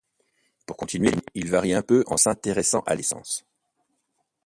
Pour continuer, il varie un peu en s'intéressant à l'essence.